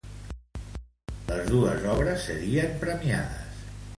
Les dos obres serien premiades.